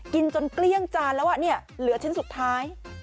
กินจนเกลี้ยงจานแล้วเนี่ยเหลือชิ้นสุดท้าย